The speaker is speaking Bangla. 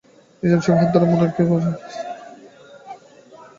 নিজাম সাহেব হাত ধরে- ধরে মুনিরকে নিয়ে যাচ্ছেন।